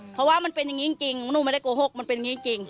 เพราะว่ามันเป็นอย่างนี้จริงหนูไม่ได้โกหกมันเป็นอย่างนี้จริง